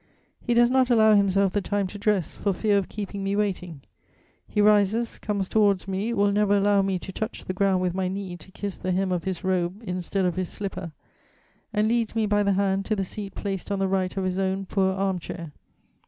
He does not allow himself the time to dress, for fear of keeping me waiting; he rises, comes towards me, will never allow me to touch the ground with my knee to kiss the hem of his robe instead of his slipper, and leads me by the hand to the seat placed on the right of his own poor arm chair.